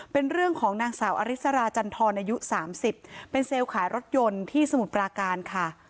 เป็นเรื่องของนางสาวอริสราจันทรอายุ๓๐เป็นเซลล์ขายรถยนต์ที่สมุทรปราการค่ะ